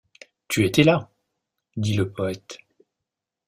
Tu étais là! dit le poète.